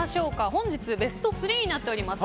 本日ベスト３になっております。